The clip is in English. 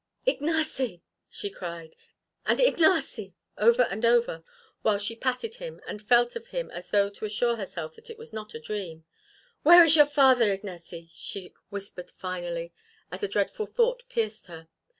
"Ignace!" she cried; and "Ignace!" over and over, while she patted him and felt of him as though to assure herself that it was not a dream. "Where is your father, Ignace?" she whispered finally, as a dreadful thought pierced her.